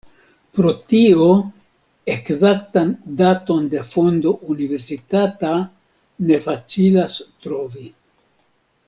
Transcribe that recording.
Pro tio ekzaktan daton de fondo Universitata ne facilas trovi.